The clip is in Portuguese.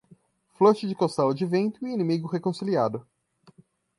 Flush de costela de vento e inimigo reconciliado.